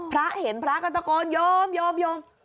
พระเห็นพระกระตะโกนยอมยอม